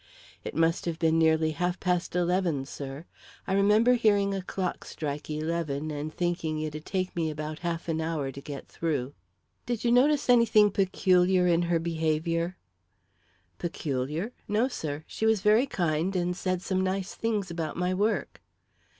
"It must have been nearly half past eleven, sir. I remember hearing a clock strike eleven and thinking it'd take me about half an hour to get through." "Did you notice anything peculiar in her behaviour?" "Peculiar? No, sir. She was very kind and said some nice things about my work."